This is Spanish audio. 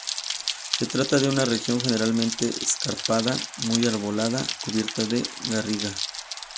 Se trata de una región generalmente escarpada, muy arbolada, cubierta de garriga.